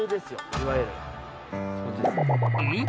いわゆるん？